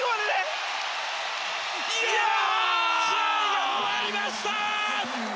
試合が終わりました！